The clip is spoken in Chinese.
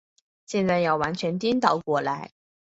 现在要完全颠倒过来。